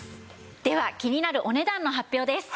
では気になるお値段の発表です。